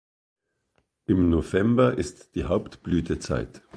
Im November ist die Hauptblütezeit.